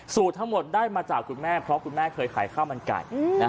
ทั้งหมดได้มาจากคุณแม่เพราะคุณแม่เคยขายข้าวมันไก่